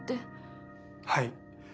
はい。